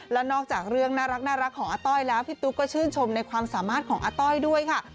และนอกจากเรื่องน่ารักของอาต้อยแล้วพี่ตุ๊กก็ชื่นชมในความสามารถของอาต้อยด้วยค่ะ